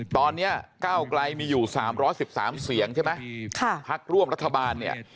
ตอนนี้ก้าวไกลมีอยู่๓๑๓เสียงใช่ไหมพักร่วมรัฐบาลเนี่ย